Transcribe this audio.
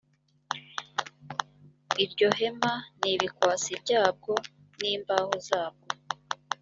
iryo hema n ibikwasi byabwo n imbaho zabwo